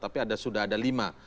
tapi sudah ada lima